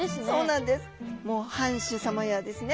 もう藩主さまやですね